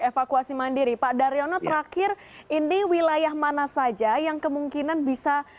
evakuasi mandiri pak daryono terakhir ini wilayah mana saja yang kemungkinan bisa